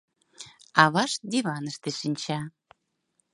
Авашт диваныште шинча.